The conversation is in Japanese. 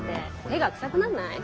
手が臭くなんない？